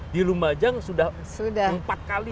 di lumajang sudah empat kali